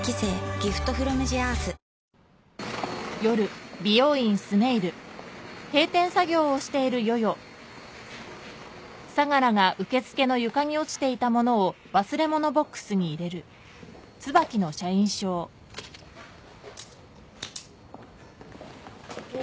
ＧｉｆｔｆｒｏｍｔｈｅＥａｒｔｈお。